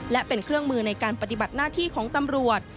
และเป็นเครื่องมือในการปฏิบัติหน้าที่ของตำรวจ